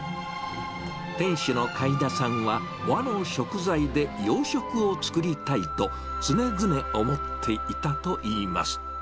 店主のかいださんは、和の食材で洋食を作りたいと、常々思っていたといいます。